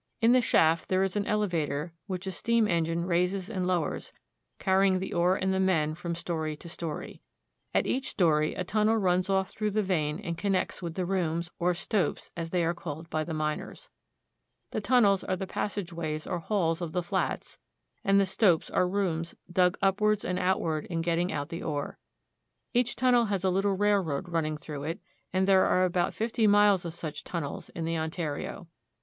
In the shaft there is an elevator which a steam engine raises and lowers, carrying the ore and the men from story to story. At each story a tunnel runs off through the vein and connects with the rooms, or stopes, as they are called by the miners. The tunnels are the pas sageways or halls of the flats, and the stopes are rooms dug upward and outward in getting out the ore. Each tunnel has a little railroad running through it, and there are about fifty miles of such tunnels in the Ontario.